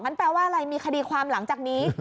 แปลว่าอะไรมีคดีความหลังจากนี้